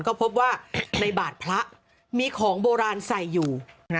ก็พบว่าในบาทพระมีของโบราณใส่อยู่